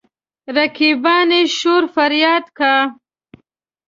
رقیبان يې شور فرياد کا.